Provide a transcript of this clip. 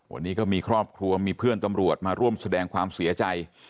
วันนี้ก็มีครอบครัวมีเพื่อนตำรวจมาร่วมแสดงความเสียใจ